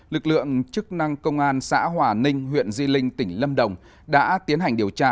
lực lượng chức năng công an xã hòa ninh huyện di linh tỉnh lâm đồng đã tiến hành điều tra